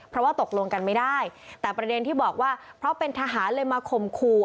เพราะว่าตกลงกันไม่ได้แต่ประเด็นที่บอกว่าเพราะเป็นทหารเลยมาข่มขู่